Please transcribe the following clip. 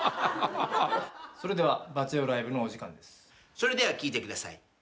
それでは聴いてください。